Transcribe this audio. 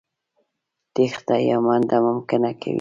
تېښته يا منډه ممکنه کوي.